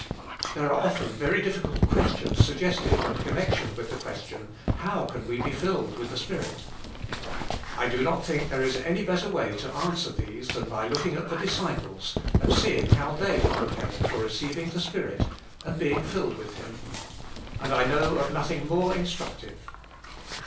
There are often very difficult questions sug g^ested in connection with the question, "How can we be filled with the Spirit?" I do not think there is any better way to answer these than by looking* at the disciples and seeing" how they were prepared for receiving the Spirit and being filled with Him; and I know of nothing more instructive.